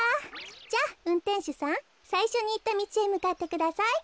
じゃあうんてんしゅさんさいしょにいったみちへむかってください。